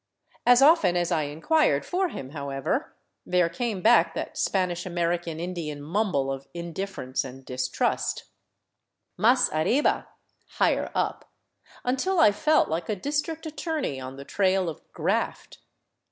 As often as I inquired for him, however, there came back that Spanish American Indian mumble of indifference and distrust, " Mas arriba," — higher up," until I felt like a District Attorney on the trail of " graft."